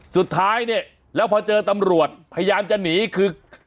สุดท้ายพอเจอตำรวจพยายามจะหนีคือ